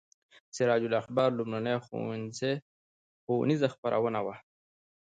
سراج الاخبار لومړنۍ ښوونیزه خپرونه وه.